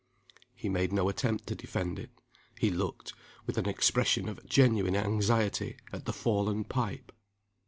He made no attempt to defend it. He looked, with an expression of genuine anxiety, at the fallen pipe.